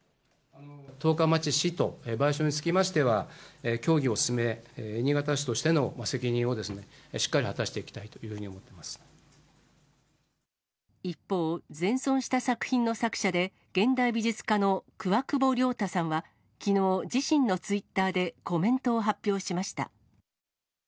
十日町市と賠償につきましては、協議を進め、新潟市としての責任をしっかり果たしていきたいというふうに思っ一方、全損した作品の作者で、現代美術家のクワクボリョウタさんは、きのう、自身のツイッターでコメントを発表しました。